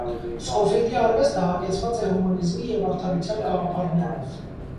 Սկոֆիլդի արվեստը հագեցված է հումանիզմի և արդարության գաղափարներով։